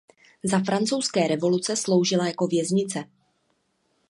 Za Francouzské revoluce sloužila jako věznice.